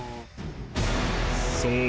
そう。